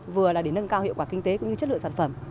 vừa là để nâng cao hiệu quả kinh tế cũng như chất lượng sản phẩm